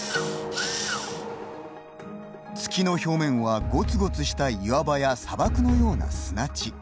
月の表面はゴツゴツした岩場や砂漠のような砂地。